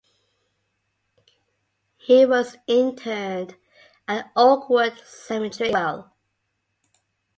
He was interred at Oakwood Cemetery in Lowell.